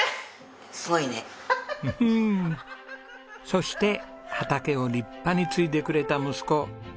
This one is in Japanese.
そして畑を立派に継いでくれた息子達雄さん。